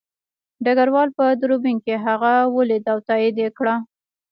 ډګروال په دوربین کې هغه ولید او تایید یې کړه